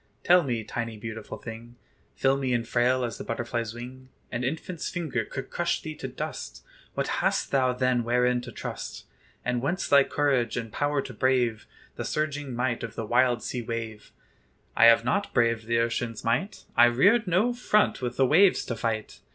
Tell me, tiny, beautiful thing! Filmy and frail as the butterfly's wing; An infant's finger could crush thee to dust; What hast thou then wherein to trust? And whence thy courage and power to brave The surging might of the wild sea wave? "I have not braved the ocean's might; I reared no front with the waves to fight.